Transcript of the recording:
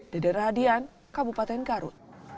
deden radian kabupaten garut